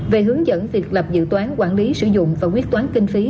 về hướng dẫn việc lập dự toán quản lý sử dụng và quyết toán kinh phí